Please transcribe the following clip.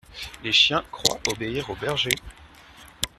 Les chiens croient obéir aux bergers.